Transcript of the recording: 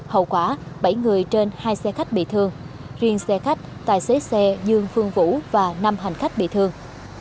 hậu quả bảy người trên hai xe khách bị thương riêng xe khách tài xế xe dương phương vũ và năm hành khách bị thương